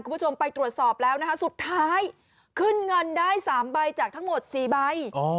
คุณผู้ชมไปตรวจสอบแล้วนะคะสุดท้ายขึ้นเงินได้๓ใบจากทั้งหมด๔ใบ